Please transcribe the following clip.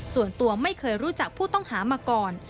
ส่วนตัวไม่เคยรู้จักผู้ต้องหามาก่อน